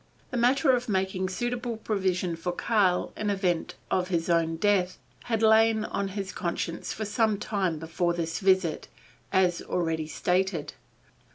The matter of making suitable provision for Karl in event of his own death had lain on his conscience for some time before this visit, as already stated.